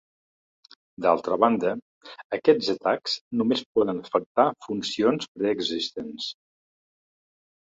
D'altra banda, aquests atacs només poden afectar funcions preexistents.